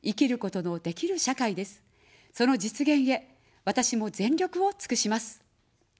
その実現へ、私も全力をつくします。